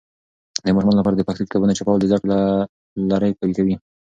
د ماشومانو لپاره د پښتو کتابونه چاپول د زده کړې لړی قوي کوي.